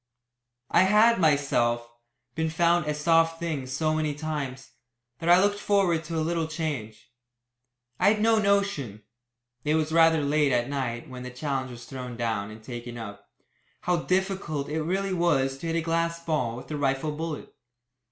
I had, myself, been found a "soft thing" so many times, that I looked forward to a little change. I had no notion (it was rather late at night when the challenge was thrown down, and taken up) how difficult it really was to hit a glass ball with a rifle bullet.